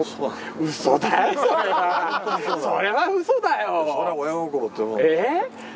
そうだよ。